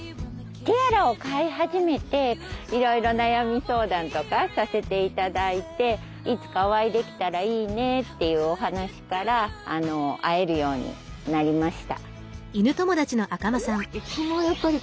ティアラを飼い始めていろいろ悩み相談とかさせて頂いていつかお会いできたらいいねというお話から会えるようになりました。